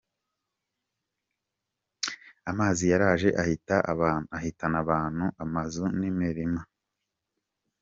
"Amazi yaraje ahitana abantu, amazu n'imirima.